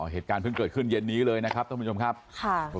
เหตุการณ์เพิ่งเกิดขึ้นเย็นนี้เลยนะครับท่านผู้ชมครับค่ะ